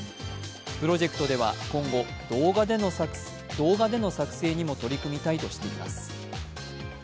プロジェクトでは今後、動画での作成にも取り組みたいとしています。